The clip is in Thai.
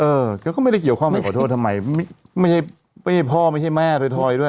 เออเขาก็ไม่ได้เกี่ยวข้องกับขอโทษทำไมไม่ให้พ่อไม่ให้แม่ถอยด้วย